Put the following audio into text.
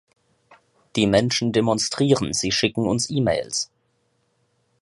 Die Menschen demonstrieren, sie schicken uns E-mails.